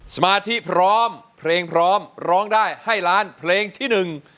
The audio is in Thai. สมาธิพร้อมเพลงพร้อมร้องได้ให้ล้านเพลงที่หนึ่ง